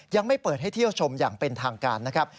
ยังไม่เปิดให้เที่ยวชมอย่างเป็นทางการนะครับ